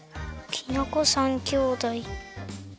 きな粉３きょうだい。